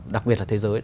đặc biệt là thế giới